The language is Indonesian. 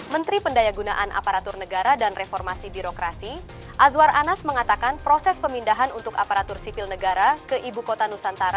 menteri pendaya gunaan aparatur negara dan reformasi birokrasi azwar anas mengatakan proses pemindahan untuk aparatur sipil negara ke ibu kota nusantara